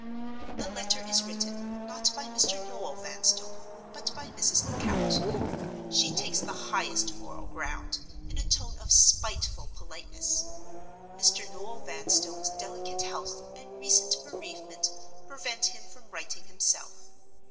The letter is written, not by Mr. Noel Vanstone, but by Mrs. Lecount. She takes the highest moral ground, in a tone of spiteful politeness. Mr. Noel Vanstone's delicate health and recent bereavement prevent him from writing himself.